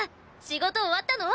仕事終わったの？